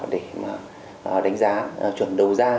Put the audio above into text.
để đánh giá chuẩn đầu ra